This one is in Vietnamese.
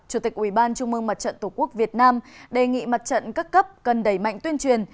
chủ tịch ubnd tổ quốc việt nam đề nghị mặt trận cấp cấp cần đẩy mạnh tuyên truyền